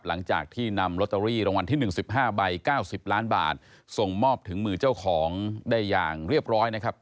หลังจากที่นำลอตเตอรี่รางวัลที่๑๕ใบ๙๐ล้านบาทส่งมอบถึงมือเจ้าของได้อย่างเรียบร้อยนะครับ